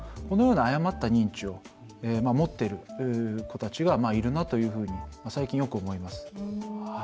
このような誤った認知を持っている子たちがいるなと最近、よく思います。